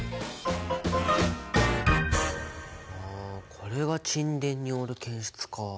これが沈殿による検出か。